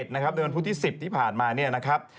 ในวันพุทธที่๑๐ที่ผ่านมา